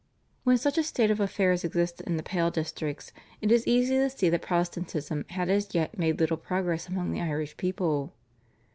When such a state of affairs existed in the Pale districts it is easy to see that Protestantism had as yet made little progress among the Irish people.